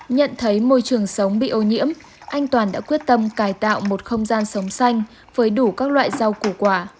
nhận thấy môi trường sống bị ô nhiễm anh toàn đã quyết tâm cài tạo một không gian sống xanh với đủ các loại rau củ quả